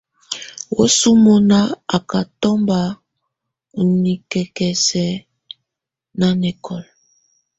Wǝ́suǝ́ munà á ká tɔmba u nikǝ́kǝ́siǝ̀ nanɛkɔla.